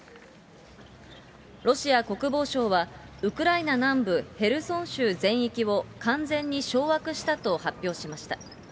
ロシア国防省は、ウクライナ南部ヘルソン州全域を完全に掌握したと発表しました。